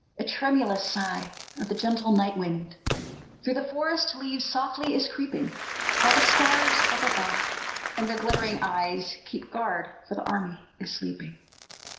A tremulous sigh of the gentle night wind Through the forest leaves softly is creeping, While the stars up above, with their glittering eyes, Keep guard, for the army is sleeping.